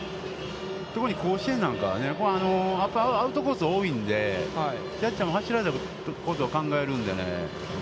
特に甲子園なんかはね、アウトコース多いんで、キャッチャーも走られたことを考えるんでね。